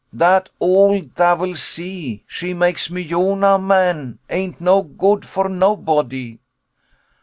Dat ole davil, sea, she make me Yonah man ain't no good for nobody.